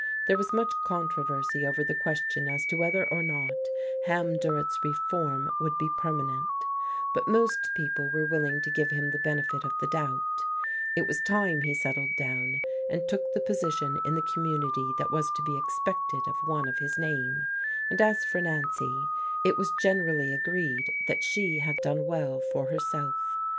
There was much controversy over the question as to whether or not Ham Durrett's reform would be permanent; but most people were willing to give him the benefit of the doubt; it was time he settled down and took the position in the community that was to be expected of one of his name; and as for Nancy, it was generally agreed that she had done well for herself.